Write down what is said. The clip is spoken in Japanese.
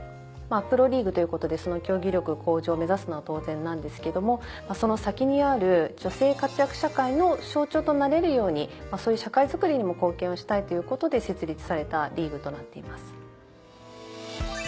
プロリーグということでその競技力向上を目指すのは当然なんですけどもその先にある女性活躍社会の象徴となれるようにそういう社会づくりにも貢献をしたいということで設立されたリーグとなっています。